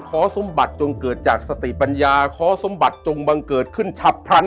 ขอสมบัติจงเกิดจากสติปัญญาขอสมบัติจงบังเกิดขึ้นฉับพลัน